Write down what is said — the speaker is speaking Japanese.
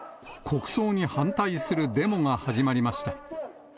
国葬に反対するデモが始まりました。